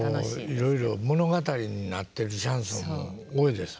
いろいろ物語になってるシャンソンも多いですもんね。